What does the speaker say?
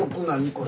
これ。